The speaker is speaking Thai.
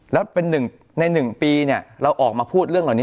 แล้วเป็นหนึ่งใน๑ปีเราออกมาพูดเรื่องเหล่านี้